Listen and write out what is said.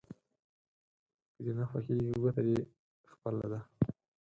که دې نه خوښېږي ګوته دې خپله ده.